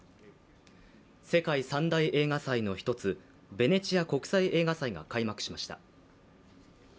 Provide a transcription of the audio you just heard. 世界３大映画祭の１つ、ベネチア国際映画祭が開幕しました。